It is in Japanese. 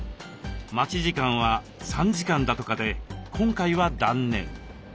待ち時間は３時間だとかで今回は断念。